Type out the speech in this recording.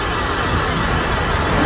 jangan berani kurang ajar padaku